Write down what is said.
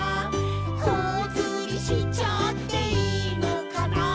「ほおずりしちゃっていいのかな」